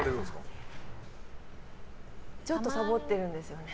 ちょっとサボってるんですよね。